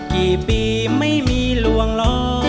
กี่ปีไม่มีลวงล้อ